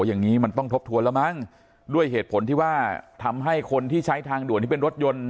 อย่างนี้มันต้องทบทวนแล้วมั้งด้วยเหตุผลที่ว่าทำให้คนที่ใช้ทางด่วนที่เป็นรถยนต์